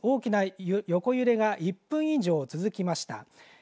大きな横揺れが１分以上、続きました。